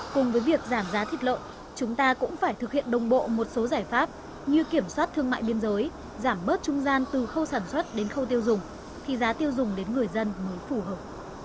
cùng với việc giảm giá thịt lợn chúng ta cũng phải thực hiện đồng bộ một số giải pháp như kiểm soát thương mại biên giới giảm bớt trung gian từ khâu sản xuất đến khâu tiêu dùng thì giá tiêu dùng đến người dân mới phù hợp